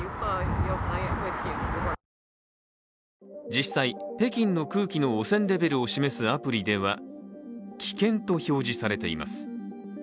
実際、北京の空気の汚染レベルを示すアプリでは、危険と表示されています。